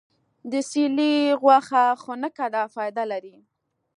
د سیرلي غوښه خونکه ده، فایده لري.